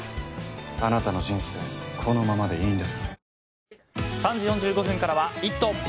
あなたの人生このままでいいんですか？